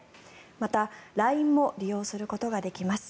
また、ＬＩＮＥも利用することができます。